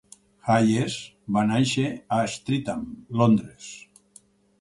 Hayes va néixer a Streatham, Londres.